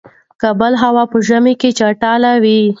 کابل هوا په ژمی کی چټله وی